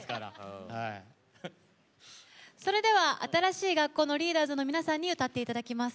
それでは新しい学校のリーダーズの皆さんに歌っていただきます。